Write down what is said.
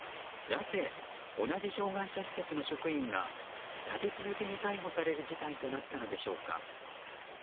なぜ、同じ障害者施設の職員が立て続けに逮捕される事態となったのでしょうか。